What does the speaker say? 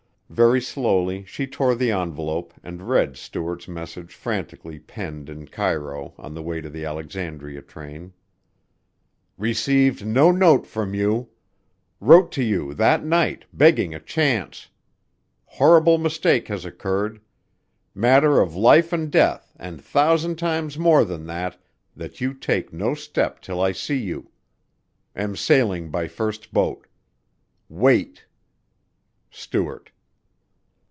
Very slowly she tore the envelope and read Stuart's message frantically penned in Cairo on the way to the Alexandria train. "Received no note from you. Wrote to you that night begging a chance. Horrible mistake has occurred. Matter of life and death and thousand times more than that, that you take no step till I see you. Am sailing by first boat. Wait. Stuart."